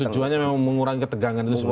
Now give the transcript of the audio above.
tujuannya memang mengurangi ketegangan itu semua